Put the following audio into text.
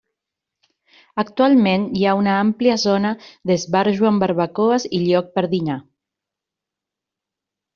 Actualment hi ha una àmplia zona d'esbarjo amb barbacoes i lloc per dinar.